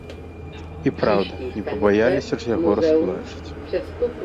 І праўда, не пабаяліся ж яго раскулачыць.